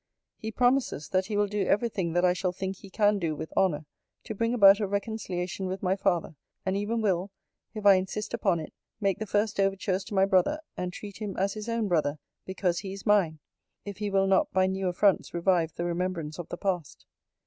'He promises, that he will do every thing that I shall think he can do with honour, to bring about a reconciliation with my father; and even will, if I insist upon it, make the first overtures to my brother, and treat him as his own brother, because he is mine, if he will not by new affronts revive the remembrance of the past.